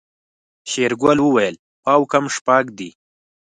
شېرګل وويل پاو کم شپږ دي.